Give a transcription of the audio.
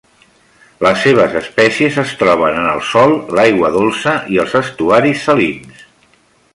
Les seves espècies es troben en el sòl, l'aigua dolça i els estuaris salins.